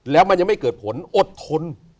แล้วมันยังไม่เกิดผลอดทน